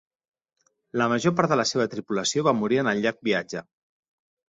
La major part de la seva tripulació va morir en el llarg viatge.